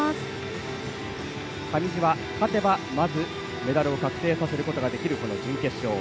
上地は勝てば、まずメダルを確定させることができるこの準決勝。